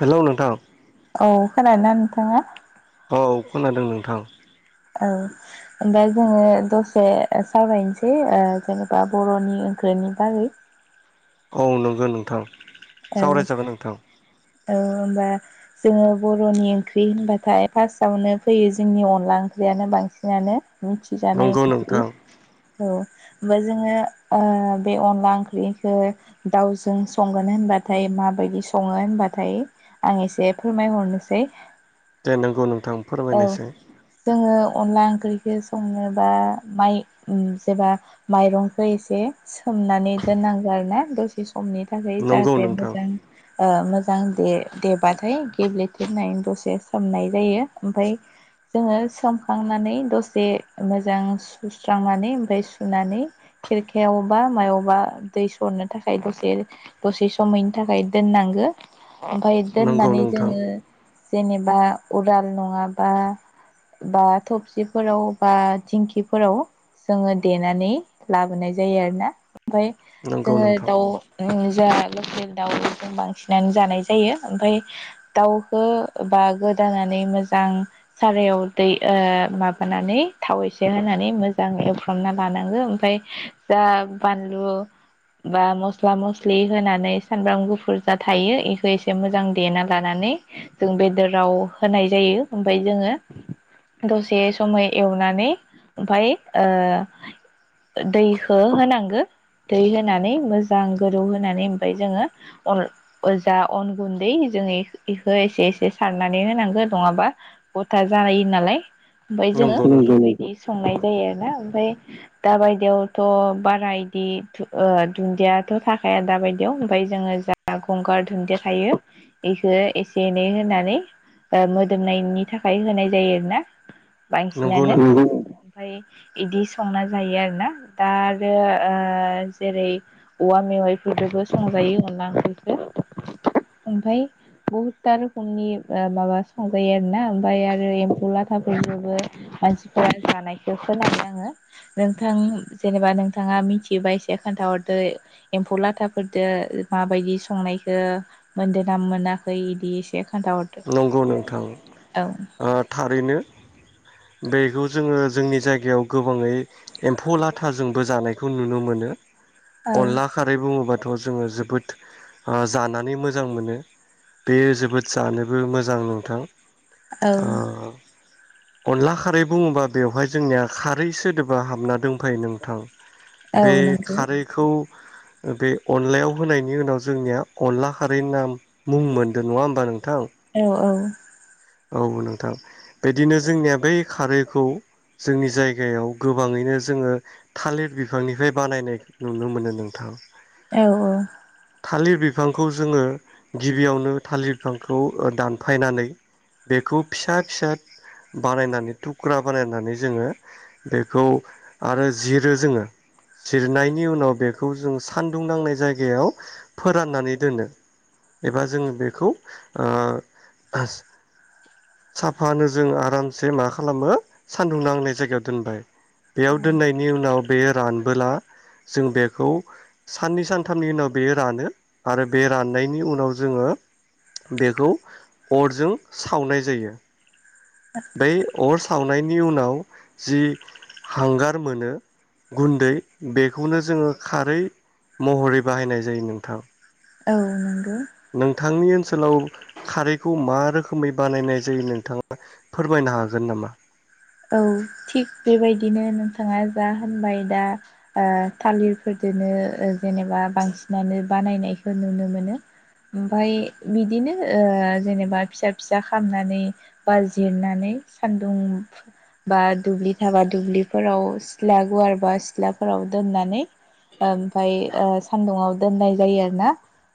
हेल नोंथां। खोनादों ना नोंथाङा? औ खोनादों नोंथां। औ ओमफ्राय जोंङो दसे सावरायनोसै ओ जेनेबा बर'नि ओंख्रिनि बागै । औ नंगौ नोंथां । औ औ होमबा जोंङो बर'नि ओंख्रि होनबाथाय फार्स्टआवनो फैयो जोंनि अनला ओंख्रियानो बांसिनानो मिथिजानाय नंगौ ओंख्रि नोंथां औ। बा जोङो ओ बे अनला ओंख्रिखौ दाउजों संगोन होनबा। थाय माबायदि सङो होनबाथाय आं इसे फोरमायहरनोसै। दे नंगौ न आं औ फोरमायनोसै जोङो अनला ओंख्रिखौ संनोबा माइ जेबा माइरंखौ एसे सोमनानै दोननांगौ आरोना दसे स खमनि थाखाय नंगौ जाहाथे नोंथां मोजां ओ मोजां। दां दे देबाथाय गेब्लेथो होनानै दसे सोमनाय जायो। ओमफाय जोङो सोमखांनानै दसे मोजां सुस्रांनानै ओमफ्राय सुनानै खेरखायावबा मायावबा दै सरनो थाखाय दसे दसे समैनो थाखाय दोननांगो। ओमफाय नंगौ दोननानै नोंथां जोङो। जेनेबा अदाब नङाबा बा थबसिफोराव बा थिंखिफोराव जोङो देनानै लाबोनाय जायो आरो ना। ओमफाय नंगौ जोङो नोंथां दाउ ओ। जों लकेल दाउ जों बांसिनानो जानाय जायो ओमफाय दाउखौ बा गोदानान नै मोजां सारायाव दै ओ माबानानै थाव एसे होनानै मोजां एवफ्रामना लानांगो ओमफाय दा बानलु बा मस्ला मस्लि होनानै सानब्राम गुफुर जा थायो इखौ एसे मोजां देना लानानै जों बेदराव होनाय जायो ओमफाय जोङो दसे समय एवनानै ओमफाय ओ दैखौ होनांगो दै होनानै मोजां गोदौ होनानै ओमफाय जोङो अन जा अन गुन्दै जोङो इखौ एसे एसे सारनानै होनां बो नङाबा गथा जायो नालाय। ओमफाय जोङो नंगौ नोंथां बेबायदिस संनाय जायो आरो ना ओमफाय दाबायदियावथ बारा इदि धु ओ दुन्दियाथ थाखाया दाबायदियाव ओमफाय जोङो जा गंगार धोन्दिया थायो इखौ एसे एनै होनानै ओ मोदोमनायनि थाखाय होनाय जायो आरो ना? नंगौ बांसिनानो नोंथां ओमफाय। इदि संना जायो आरो ना दा आरो ओ जेरै औवा मेवाइफोरजोंबो संजायो अनला ओंख्रिखौ ओमफाय बुहुदथा रोखोमनि ओ माबा, संजायो आरोना ओमफाय आरो एम्फौ लाथाफोरजोंबो मानसिफोरा जानायखौ खोनानो आङो नोंथां जेनेबा नोंथाङा मिथियोबा एसे खोन्थाहरदो एम्फौ लाथाफोरदो माबायदि संनायखो मोनदो ना मोनाखै बिदि एसे, खोनथा हरदो नंगौ नोंथां थारैनो बेखौ जोङो जोंनि जायगायाव गोबाङै एम्फौ लाथाजोंबो जानायखौ नुनो मोनो। औ अनला खारै बुङोबा थ जोङो जाबोद ओ जानानै मोजां मोनो बेयो जोबोद जानो ओ मोजां नोंथां, औ अ। अनला खारै बुङोबा बेवहाय जोंनिया खारै सोदोबा हाबना दंफायो नोंथां‌ औ बे नोंगौ खारैखौ बे अनलायाव होनायनि उनाव जोंनिया अनला खारैनि नाम मुं मोनदों नङा होमबा नों औ औ औ नोंथां बिदिनो जोंनिया बै खारैखौ जोंनि जायगायाव गोबांङैनो जोङो थालिर बिफांनिफ्राय बानायनाय नुनो मोनो नोंथां। औ औ थालिर बिफांखौ जोङो गिबियावनो थालिर बिफांखौ दानफायनानै बेखौ फिसा फिसा बानायनानै थुख्रा बानायनानै जोङो बेखौ आरो जिरो जोङो जिरनायनि उनाव बेखौ जों सानदुं नांनाय जायगायाव फोराननानै दोनो एबा जोङो बेखौ ओ साफानो जों आरामसे मा खालामो सान्दुं नांनाय जायगायाव दोनबाय । बेयाव दोननायनि उनाव बेयो रानबोला जों बेखौ साननै सानथामनि उनाव बेयो रानो आरो बे राननायनि उनाव जोंङो बेखौ अरजों सावनाय जायो । बै अर सावनायनि उनाव जि हांगार मोनो गुन्दै बेखौनो जोङो खारै महरै बाहायनाय जायो नोंथां। औ नों [inaudible] थांनि ओनसोलाव खारैखौ मा रोखोमै बानायनाय जायो नोंथांङा फोरमायनो हागोन नामा? औ थिग बेबायदिनो नोंथांङा जा होनबाय दा ओ थालिरफोरदोनो जेनेबा बांसिनानो बानायनायखौ नुनो मोनो ओमफाय बिदिनो ओ जेनेबा फिसा फिसा खामनानै बा जिरनानै सानदुं बा दुब्लि थाबा दुब्लिफोराव सिथ्ला गुवारबा सिथ्लाफोराव दोननानै ओमफाय ओ सान्दुङाव दोननाय जायो आर ना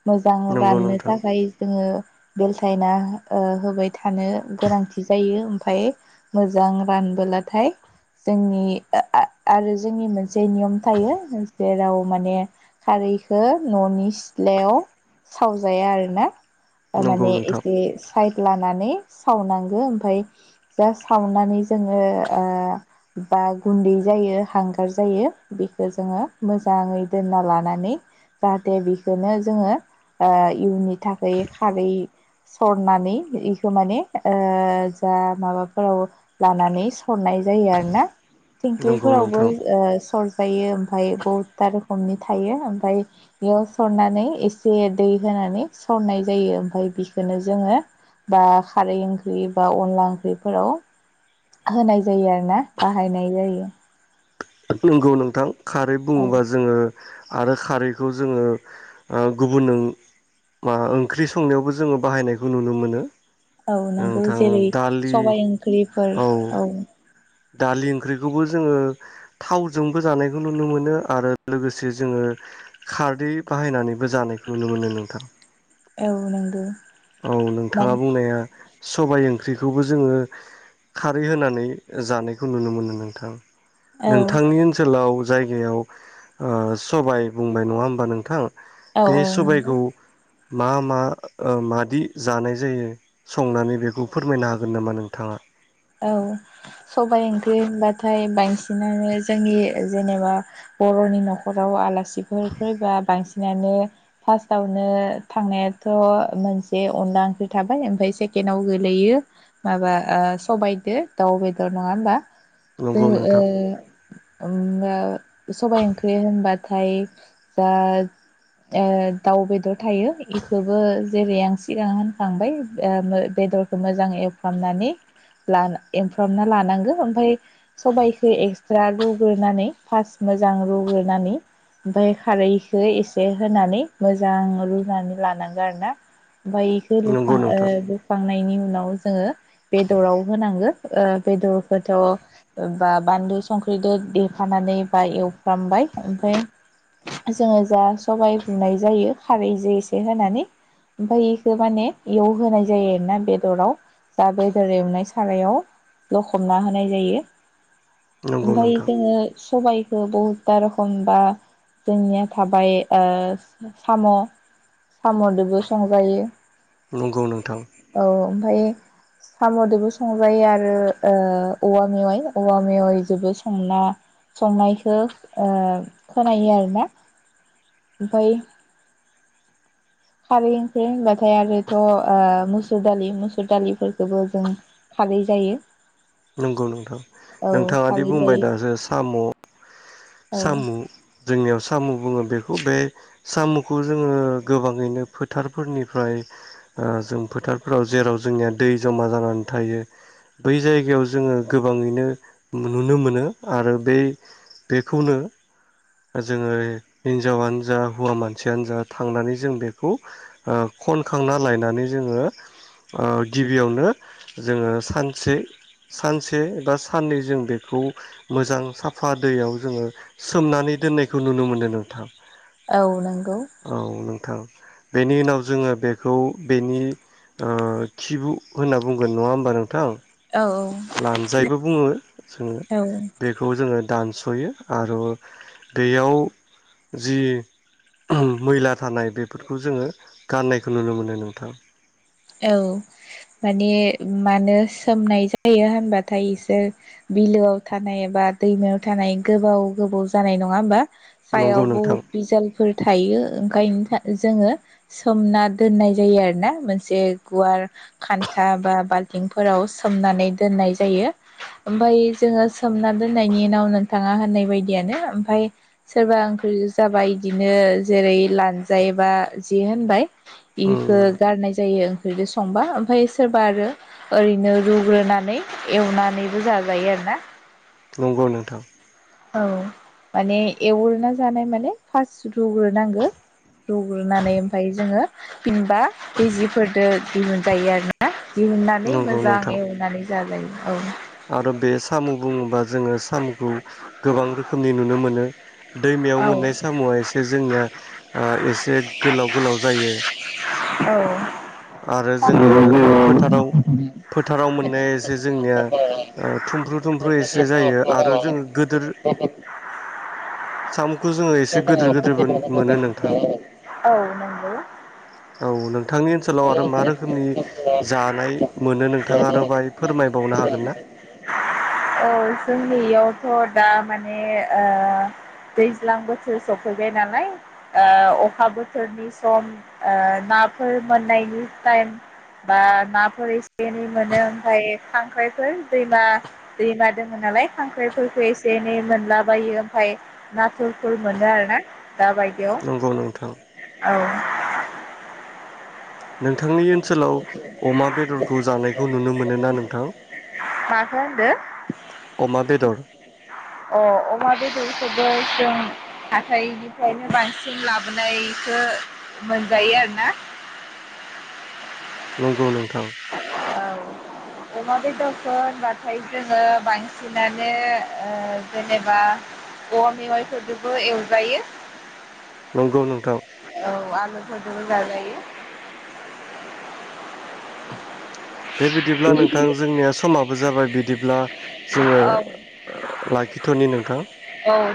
मोजां नंगौ राननो नोंथां थाखाय जोङो बे यना ओ होबाय थानो गोनांथि जायो ओमफ्राय मोजां रानबोलाथाय जोंनि आरो जोंनि मोनसे नियम थायो जेराव माने खारैखौ ननि सिथ्लायाव सावजाया आरोना नंगौ तामाने नोंथां एसे साइड लानानै सावनांगो ओमफ्राय जा सावनानै जोंङो बा गुन्दै जायो हांगार जायो बेखौ जोंङो मोजाङै दोनना लानानै जाहाथे बिखौनो जोंङो इयुननि थाखाय खारै सरनानै बेखौ माने ओ जा माबाफोर लानानै सरनाय जायो आरो ना नंगौ थिंख्लैफोरावबो नोंथां ओ सरजायो ओमफ्राय बहुदथा रोखोमनि थायो ओमफ्राय बेयाव सरनानै एसे दै होनानै सरनाय जायो ओमफाय बेखौनो जोङो बा खारै ओंख्रि बा अनला ओंख्रिफोराव होनाय जायो आरो ना बाहायनाय जायो। नंगौ नोंथां । खारै औ बुङोबा जोंङो आरो खारैखौ जोंङो गुबुन ओ ओं-ओंख्रि संनायावबो जोंङो बाहायनायखौ नुनो मोनो । औ नोंगौ जेरै सबायाइ ओंख्रिफोर औ दालि ओंख्रिखौबो जोङो थावजोंबो जानायखौ नुनो मोनो आरो लोगोसे जोङो खारदै बाहायनानैबो जानायखौ नुनो मोनो नोंथां। औ नंगौ औ मान नोंथाङा बुंनाया सबाय ओंख्रिखौबो जोंङो खारै होनानै जानायखौ नुनो मोनो नोंथां । औ नोंथांनि ओनसोलाव जायगायाव ओ सबाय बुंबाय नङा होमबा नोंथां। औ बे औ नंगौ सबायखौ मा मा ओ मान बिदि जानाय जायो संनानै बेखौ फोरमायनो हागोन नामा नोंथाङा औ सबाय ओंख्रि होनबाथाय बांसिनानो जोंनि जेनेबा बर'नि न'खराव आला सिफोर फैबा बांसि बिनानो फार्स्टआवनो थांनायाथ मोनसे अनला ओंख्रि थाबाय ओमफ्राय सेकेणडआव गोलैयो माबा सबायदो दाउ बेदर नङा होनोमबा बे नंगौ नोंथां ओ ओ सबाइ ओंख्रि होनबा नाथाय जा ओ दाउ बेदर थायो इखौबो जेरै आं सिगां होनखांबाय ओ बेदरखौ मोजां एवफ्रामनानै लान एमफ्रामना लानांगौ ओमफ्राय सबाइखौ एक्सट्रा रुग्रोनानै फार्स्ट मोजां रुग्रोनानै ओमफ्राय खारैखौ एसे होनानै मोजां रुनानै लानांगौ आरो ना? मफ्राय एखौ नंगौ लुखां ओ नोंथां लुखांनायनि उन उनाव जोङो बेदराव होनांगौ ओ बेदरखौथ' बा बानलु संख्रिजों देखानानै बा एवफ्रामबाय ओमफ्राय जोङो जा सबाइ बुनाय जायो खारैजों एसे होनानै ओमफाय बेखौ माने एवहोनाय जायो आरोना बेदराव जा बेदर एवनाय सारायाव लखबना होनाय जायो। नंगौ ओमफाय नोंथां जोङो सबाइ बहुतथा रोखमबा जोंनिया थाबाय ओ साम साम जोंबो संजायो नंगौ नोंथां‌। सामदबो संजायो आरो ओ औवा मेवाइ औवा मेवाइ जबो संना संनायखौ ओ खोनायो आर ना ओमफाय खारै ओंख्रि होनबाथाय आरोथ ओ मुसुर दालि मुसुर दालिफोरखौबो जों खारै जायो। नंगौ नोंथां औ नोंथाङादि खारै बुंबाय जायो दाजे साम औ सामु जोंनियाव सामु बुङो बेखौ बे सामुखौ जोङो गोबाङैनो फोथारफोरनिफ्राय ओ जों फोथारफोराव जेराव जोंनिया दै जमा जानानै थायो। बै जायगायाव जोङो गोबाङैनो नुनो मोनो आरो बै बेखौनो जोङो हिन्जावानो जा हौवा मानसियानो जा थांनानै जों बेखौ ओ खनखांना लायनानै जोङो ओ गिबियावनो जोङो सानसे सानसे बा साननै जों बेखौ मोजां साफा दैयाव जोङो सोमनानै दोननायखौ नुनो मोनदों नोंथां। औ नंगौ औ नोंथां। बेनि उनाव जोङो बेखौ बेनि ओ खिबु होनना बुंगोन नङा होमबा नोंथां? औ लानजायबो बुङो जोङो औ बेखौ जोङो दानसयो आरो बेयाव जि मैला थानाय बेफोरखौ जोङो गाननायखौ नुनो मोनो नोंथां। औ माने मानो सोमनाय जायो होनबाथाय इसोर बिलोआव थानाय एबा दैमायाव थानाय गोबाव गोबाव जानाय नङा होमबा? सायाव नंगौ नोंथां बुहुत बिजालफोर थायो ओंखायनो जोङो सोमना दोननाय जायो आरो ना मोनसे जे गुवार खान्था बा बाल्थिंफोराव सोमनानै दोननाय जायो ओमफ्राय जोङो सोमना दोननायनि उनाव नोंथाङा होननाय बायदियानो ओमफ्राय सोरबा ओंख्रि जाबाय इदिनो जेरै लानजाय बा जि होनबाय उम इखो गारनाय [unintelligible] संबा ओमफ्राय सोरबा आरो ओरैनो रुग्रोनानै एवनानैबो जाजायो आरोना। नंगौ नोंथां औ माने एवरना जानाय माने फास रुग्रोनांगौ रुग्रोनानै ओमफाय जोंङो फिनबा दैजिफोरदो दिहुनजायो आरो ना दिहुननानै नंगौ मोजां नोंथां एवनानै जालाय आरो बे सामु बुङोबा जोङो सामुखौ, गोबां रोखोमनि नुनो मोनो दैमायाव मोननाय औ सामुआ एसे जोंनिया ओ एसे गोलाव गोलाव जायो। आरो औ जोंङो जोङो फोथाराव फोथाराव मोननाया एसे जोंनिया ओ थुमफ्रु थुमफ्रु एसे जायो आरो जोंङो गोदोर [unintelligible] जोङो एसे गोदोर गोदोर मोन मोनो नोंथां औ औ नंगौ नोंथ सोलाव आरो मा रोखोमनि जानाय मोनो नोंथाङा आरो बाहाय फोरमायबावनो हागोन ना? थ दा माने ओ दैज्लां बोथोर सफैबाय नालाय ओ अखा बोथोरनि सम ओ नाफोर मोननायनि टाइम बा नाफोर एसे एनै मोनो ओमफ्राय खांख्राइफोर दैमा दैमा दों नालाय खांख्राइफोरखौ एसे एनै मोनलाबायो ओमफ्राय नाथुरफोर मोनो आर ना, नंगौ नोंथां। औ नोंथांनि ओनसोलाव अमा बेदरखौ जानायखौ नुनो मोनो ना नोंथां मा होन्दो? अमा बेदर अ अमा बेदर खौबो जों हाथाइनिफ्रायनो बांसिन लाबोनायखो मोनजायो आरोना नंगौ नोंथां औ अमा बेदरखौ होनबाथाय जोङो बांसिनानो ओ जेनेबा औवा मेवआइफोरजोंबो एवजायो, नंगौ नोंथां। औ आलुफोरजोंबो जाजायो बेबायदिब्ला नोंथां जोंनिया समाबो जाबाय बिदिब्ला औ जोङो औ लाखिथनि नोंथां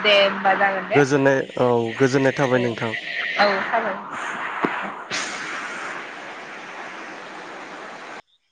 दे होमबा जागोन दे गोजोननाय औ गोजोननाय थाबाय औ नोंथां। साबायखर